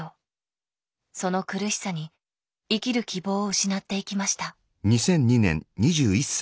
その苦しさに生きる希望を失っていきました。